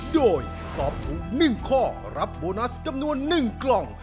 โดยตอบถูก๑ข้อรับโบนัสจำนวน๑กล่อง